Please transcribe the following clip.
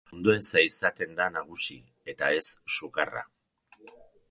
Ondoeza izaten da nagusi, eta ez sukarra.